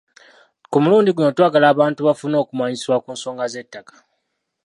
Ku mulundi guno twagala abantu bafune okumanyisibwa ku nsonga z’ettaka.